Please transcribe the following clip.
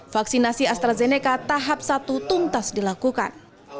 vaksinasi astrazeneca tahap satu tuntas dilakukan